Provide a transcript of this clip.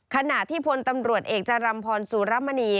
ขณะที่พลตำรวจเอกจารำพรสุรมณี